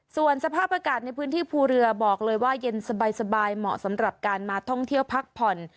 ส่วนสภาพอากาศในพื้นที่ภูเรือบอกเลยว่าเย็นสบายเหมาะสำหรับการมาท่องเที่ยวพักผ่อน